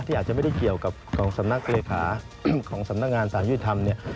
อาจจะไม่ได้เกี่ยวกับของสำนักเลขาซึ่งสำนักงานสารยุทธรรมเนี่ย